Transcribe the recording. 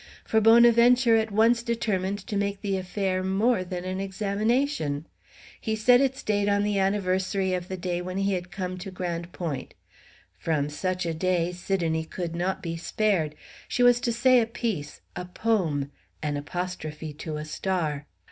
For Bonaventure at once determined to make the affair more than an examination. He set its date on the anniversary of the day when he had come to Grande Pointe. From such a day Sidonie could not be spared. She was to say a piece, a poem, an apostrophe to a star.